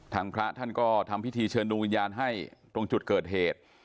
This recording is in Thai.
พระท่านก็ทำพิธีเชิญดวงวิญญาณให้ตรงจุดเกิดเหตุ